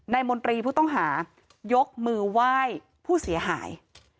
มนตรีผู้ต้องหายกมือไหว้ผู้เสียหาย